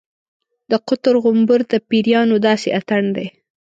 د قطر غومبر د پیریانو داسې اتڼ دی.